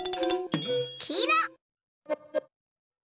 きいろ！